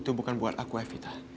itu bukan buat aku evita